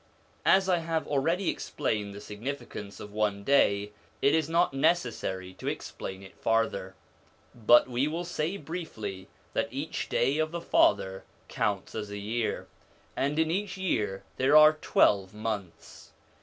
As I have already explained the signification of one day, it is not necessary to explain it farther; but we will say briefly that each day of the Father counts as a year, and in each year there are twelve months.